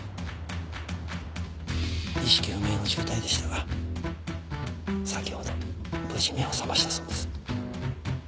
意識不明の重体でしたが先ほど無事目を覚ましたそうです。